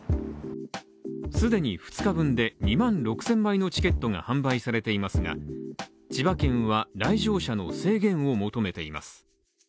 既に２日分で２万６０００枚のチケットが販売されていますが千葉県は来場者の制限を求めています